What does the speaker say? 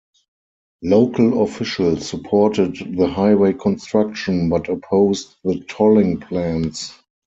Local officials supported the highway construction, but opposed the tolling plans.